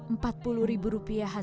rp empat puluh an hasil penjualan